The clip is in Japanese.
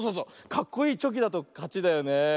かっこいいチョキだとかちだよねえ。